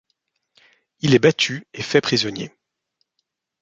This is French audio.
Il est battu et fait prisonnier.